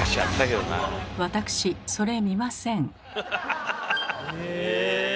私それ見ません。